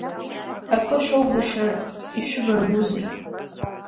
Акы шәоугәышьар, ишәыбаргәузеи?